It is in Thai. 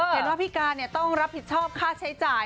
เห็นว่าพี่การต้องรับผิดชอบค่าใช้จ่าย